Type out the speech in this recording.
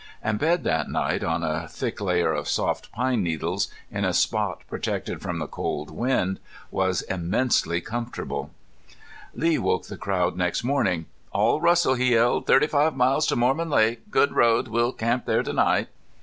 And bed that night on a thick layer of soft pine needles, in a spot protected from the cold wind, was immensely comfortable. Lee woke the crowd next morning. "All rustle," he yelled. "Thirty five miles to Mormon Lake. Good road. We'll camp there to night."